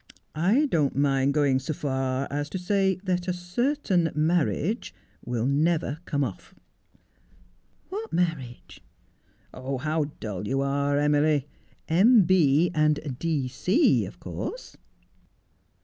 ' I don't mind going so fai as to say that a certain marriage will never come off.' ' What marriage 1 '' How dull you are, Emily ! M. B. and D. C, of course.'